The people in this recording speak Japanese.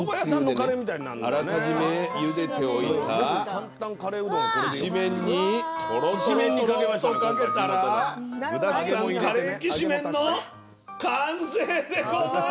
あらかじめゆでておいた、きしめんにトロトロトロっとかけたら具だくさんカレーきしめんの完成でございます！